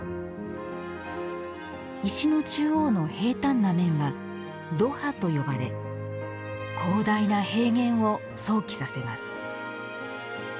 石の中央の平坦な面は土坡と呼ばれ広大な平原を想起させます。